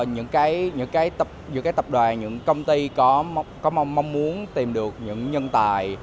những cái tập đoàn những công ty có mong muốn tìm được những nhân tài